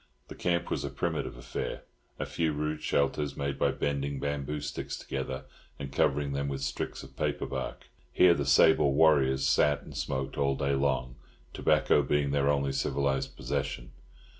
The camp was a primitive affair, a few rude shelters made by bending bamboo sticks together and covering them with strips of paper bark. Here the sable wariors sat and smoked all day long, tobacco being their only civilised possession.